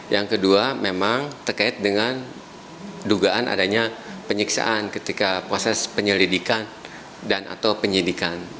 yang kedua memang terkait dengan dugaan adanya penyiksaan ketika proses penyelidikan dan atau penyidikan